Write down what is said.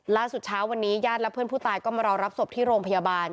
เช้าวันนี้ญาติและเพื่อนผู้ตายก็มารอรับศพที่โรงพยาบาล